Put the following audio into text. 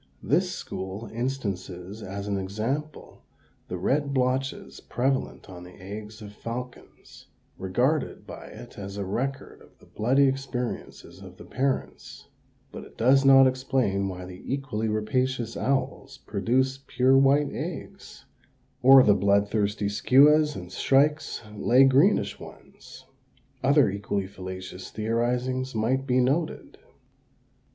This school instances as an example the red blotches prevalent on the eggs of falcons, regarded by it as a record of the bloody experiences of the parents; but it does not explain why the equally rapacious owls produce pure white eggs, or the blood thirsty skuas and shrikes lay greenish ones. Other equally fallacious theorizings might be noted.